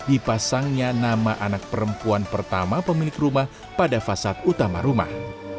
dipasangnya nama anak perempuan pertama pemilik rumah pada fasad utama rumah